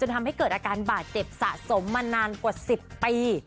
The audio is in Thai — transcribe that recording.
ทำให้เกิดอาการบาดเจ็บสะสมมานานกว่า๑๐ปี